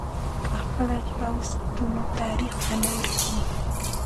که خپله ژبه وساتو، نو تاریخ به نه ورکېږي.